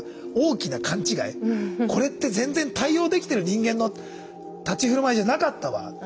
これって全然対応できてる人間の立ち居振る舞いじゃなかったわって。